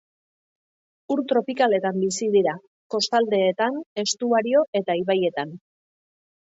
Ur tropikaletan bizi dira, kostaldeetan, estuario eta ibaietan.